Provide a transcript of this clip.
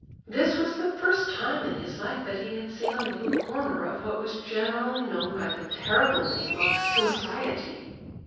This was the first time in his life that he had seen a little corner of what was generally known by the terrible name of "society."